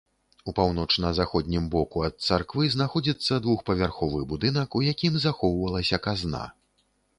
У паўночна-заходнім боку ад царквы знаходзіцца двухпавярховы будынак, у якім захоўвалася казна.